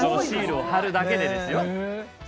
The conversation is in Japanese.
シールを貼るだけでですよ。